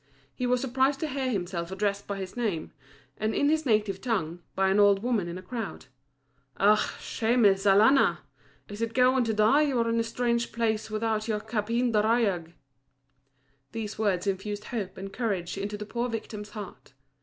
He was surprised to hear himself addressed by his name, and in his native tongue, by an old woman in the crowd. "Ach, Shemus, alanna! is it going to die you are in a strange place without your cappeen d'yarrag?" These words infused hope and courage into the poor victim's heart.